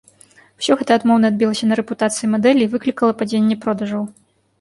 Усё гэта адмоўна адбілася на рэпутацыі мадэлі і выклікала падзенне продажаў.